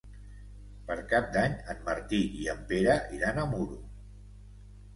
Per Cap d'Any en Martí i en Pere iran a Muro.